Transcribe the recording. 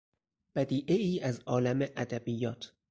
بدیعهای از عالم ادبیات